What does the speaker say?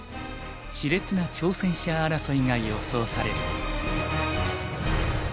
しれつな挑戦者争いが予想される。